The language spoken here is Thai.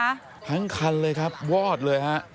ผังทั้งคันเลยครับวอดเลยั